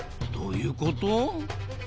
どういうこと？